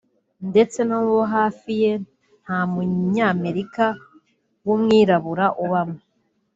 ndetse no mu bo hafi ye nta Munyamerika w’umwirabura ubamo